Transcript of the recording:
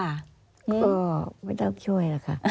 ก็ไม่ต้องช่วยแล้วค่ะ